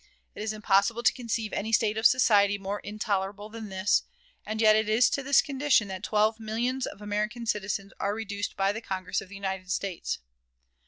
It is impossible to conceive any state of society more intolerable than this, and yet it is to this condition that twelve millions of American citizens are reduced by the Congress of the United States.